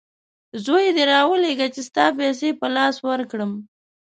زوی دي راولېږه چې ستا پیسې په لاس ورکړم!